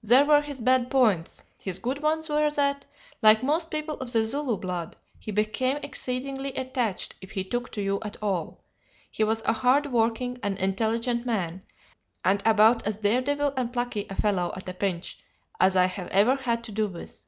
These were his bad points; his good ones were that, like most people of the Zulu blood, he became exceedingly attached if he took to you at all; he was a hard working and intelligent man, and about as dare devil and plucky a fellow at a pinch as I have ever had to do with.